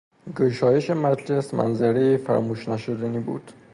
گشایش مجلس منظرهای فراموش نشدنی بود.